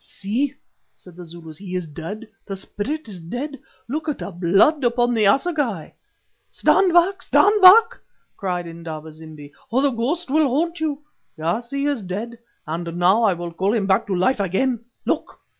"See!" said the Zulus, "he is dead, the Spirit is dead. Look at the blood upon the assegai!" "Stand back! stand back!" cried Indaba zimbi, "or the ghost will haunt you. Yes, he is dead, and now I will call him back to life again. Look!"